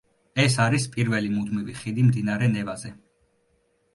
ეს არის პირველი მუდმივი ხიდი მდინარე ნევაზე.